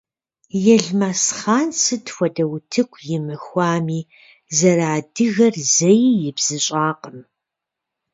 Елмэсхъан сыт хуэдэ утыку имыхуами, зэрыадыгэр зэи ибзыщӏакъым.